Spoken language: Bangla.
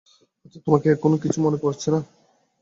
আচ্ছা, তোমার কী এখনও কিচ্ছু মনে পড়ছে না?